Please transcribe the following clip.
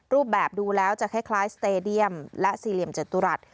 รูปแบบดูแล้วจะคล้ายสเตดียมและสี่เหลี่ยมจตุรัส